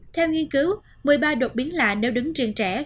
theo nghiên cứu một mươi ba đột biến lạ nếu đứng trên trẻ